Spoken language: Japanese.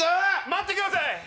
待ってください！